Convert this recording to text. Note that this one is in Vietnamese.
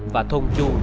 và thôn chu